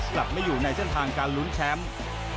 กลับไม่อยู่ในเส้นทางการลุ้นแชมป์